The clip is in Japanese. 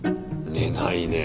寝ないねえ。